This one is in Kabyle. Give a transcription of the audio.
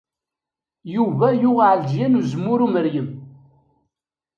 Yuba yuɣ Ɛelǧiya n Uzemmur Umeryem.